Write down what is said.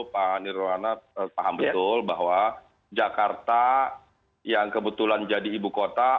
pak nirwana paham betul bahwa jakarta yang kebetulan jadi ibu kota